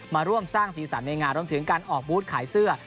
มาร่วมสร้างสีสันในงานรวมถึงการออกบูธขายเสื้อ